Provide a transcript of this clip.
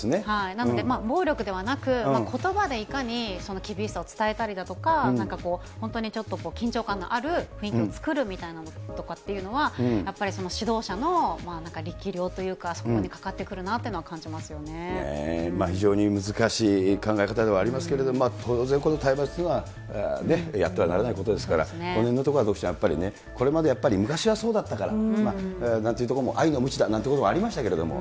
なので暴力ではなく、ことばでいかに厳しさを伝えたりだとか、本当にちょっと緊張感のある雰囲気を作るみたいなのっていうのは、やっぱり指導者の力量というか、そこにかかってくるなっていうの非常に難しい考え方ではありますけれども、当然この体罰というのはやってはならないことですから、そのへんのところは徳ちゃんね、これまでやっぱり昔はそうだったからなんていうところも愛のむちだなんていうところもありましたけれども。